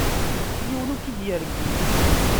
Yiwen ur k-id-yergim.